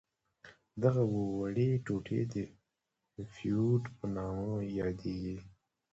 دغه وړې ټوټې د فیوډ په نامه یادیدلې.